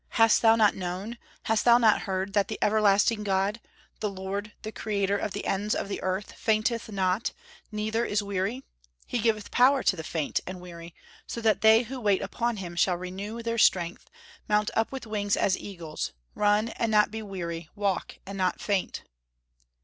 Hast thou not known, hast thou not heard, that the everlasting God, the Lord, the Creator of the ends of the earth, fainteth not, neither is weary? He giveth power to the faint and weary, so that they who wait upon Him shall renew their strength, mount up with wings as eagles, run and not be weary, walk and not faint."